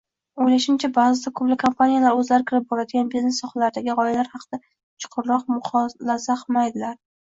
Oʻylashimcha, baʼzida koʻplab kompaniyalar oʻzlari kirib boradigan biznes sohalaridagi gʻoyalar haqida chuqur mulohaza qilmaydilar.